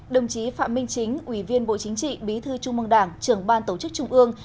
đồng chí phạm minh chính ủy viên bộ chính trị bí thư trung mương đảng trưởng ban tổ chức trung ương